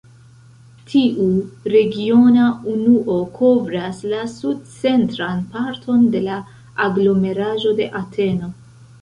Tiu regiona unuo kovras la sud-centran parton de la aglomeraĵo de Ateno.